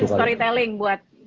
pengen storytelling buat